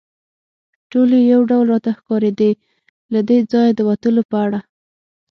ټولې یو ډول راته ښکارېدې، له دې ځایه د وتلو په اړه.